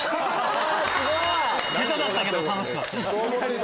下手だったけど楽しかった。